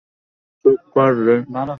চুপ কর রে।